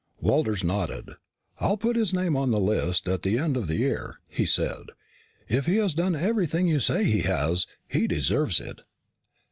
Walters nodded. "I'll put his name on the list at the end of the year," he said. "If he has done everything you say he has, he deserves it."